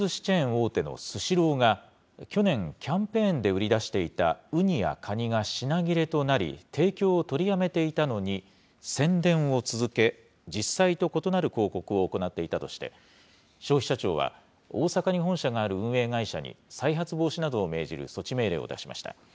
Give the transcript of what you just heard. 大手のスシローが、去年、キャンペーンで売り出していた、うにやかにが品切れとなり、提供を取りやめていたのに、宣伝を続け、実際と異なる広告を行っていたとして、消費者庁は大阪に本社がある運営会社に、再発防止などを命じる措置命令を出しました。